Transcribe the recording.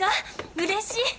うれしい！